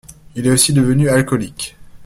Il est aussi devenu alcoolique.